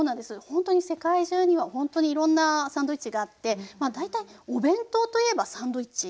ほんとに世界中にはほんとにいろんなサンドイッチがあってまあ大体お弁当といえばサンドイッチ。